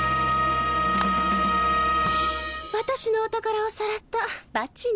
私のお宝をさらったバチね。